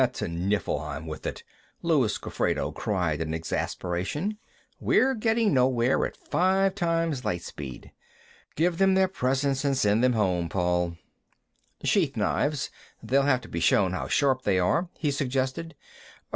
"Ah, to Niflheim with it!" Luis Gofredo cried in exasperation. "We're getting nowhere at five times light speed. Give them their presents and send them home, Paul." "Sheath knives; they'll have to be shown how sharp they are," he suggested.